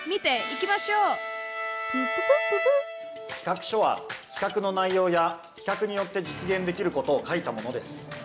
プププッププッ企画書は企画の内容や企画によって実現できることを書いたものです。